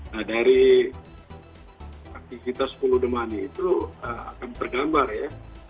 nah dari aktivitas full demani itu akan tergambar ya